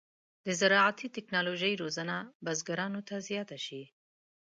د زراعتي تکنالوژۍ روزنه بزګرانو ته زیاته شي.